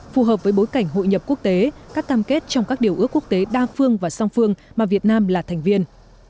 phù hợp với bối cảnh hội nhập quốc tế các cam kết trong các điều ước quốc tế đa phương và song phương mà việt nam là thành viên